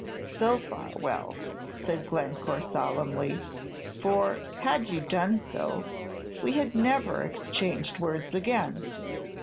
"So far, well," said Glencore, solemnly; "for had you done so, we had never exchanged words again!"